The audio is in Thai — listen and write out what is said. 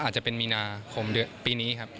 อาจจะเป็นมีนาคมปีนี้ครับ